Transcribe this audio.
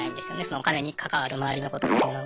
お金に関わるまわりのことっていうのは。